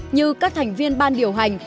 như các thành viên ban điều hành